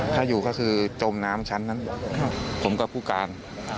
ถ้าอยู่ก็คือจมน้ำชั้นนั้นผมกับผู้การ